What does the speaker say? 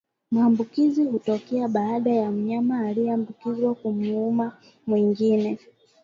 Maambukizi hutokea baada ya mnyama aliyeambukizwa kumuuma mwingine